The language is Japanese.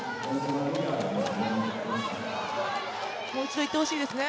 もう一度行ってほしいですね。